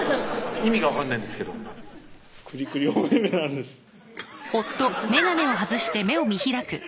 意味が分かんないんですけどクリクリお目々なんですハハ